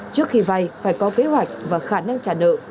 trước khi vay phải có kế hoạch và khả năng trả nợ